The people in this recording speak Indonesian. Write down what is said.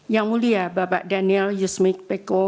yang mulia bapak daniel yusmik peko